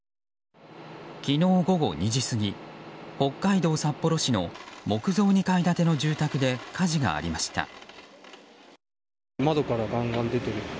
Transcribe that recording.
昨日午後２時過ぎ北海道札幌市の木造２階建ての住宅で火事がありました。